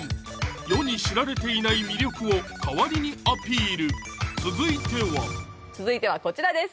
世に知られていない魅力を代わりにアピール続いては続いてはこちらです